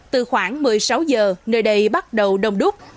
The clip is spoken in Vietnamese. từ khoảng một mươi sáu giờ nơi đây bắt đầu đông đúc